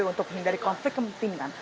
untuk menghindari konflik kepentingan